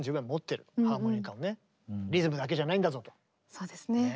そうですね。